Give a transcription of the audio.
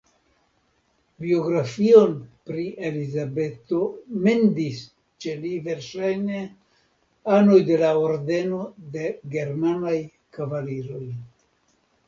Biografion pri Elizabeto "mendis" ĉe li verŝajne anoj de la Ordeno de germanaj kavaliroj.